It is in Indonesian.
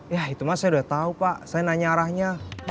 ya itu mas saya udah tahu pak saya nanya arahnya